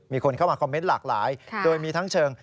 มีคนเข้ามาคอมเมนต์หลากหลายโดยมีทั้งเชิง